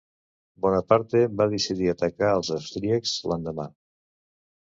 Bonaparte va decidir atacar els austríacs l'endemà.